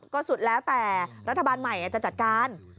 ก็สุดแล้วแต่รัฐบาลใหม่จะจัดการ